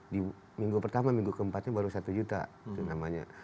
di minggu pertama minggu keempatnya baru satu juta itu namanya